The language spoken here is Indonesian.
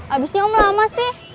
abisnya om lama sih